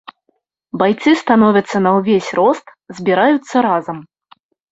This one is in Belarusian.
Байцы становяцца на ўвесь рост, збіраюцца разам.